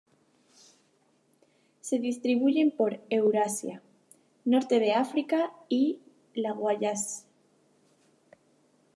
Se distribuyen por Eurasia, norte de África y la Wallacea.